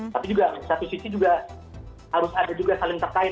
tapi juga satu sisi juga harus ada juga saling terkait